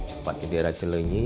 sempat ke daerah celenyi